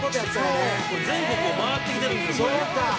「これ全国を回ってきてるんですよ」